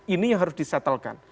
ini yang harus disetelkan